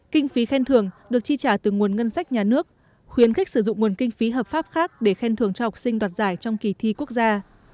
kinh phí khen thưởng được chi trả từ nguồn ngân sách nhà nước khuyến khích sử dụng nguồn kinh phí hợp pháp khác để khen thưởng cho học sinh đoạt giải trong kỳ thi quốc gia